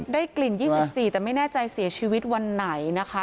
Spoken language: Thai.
ได้กลิ่น๒๔แต่ไม่แน่ใจเสียชีวิตวันไหนนะคะ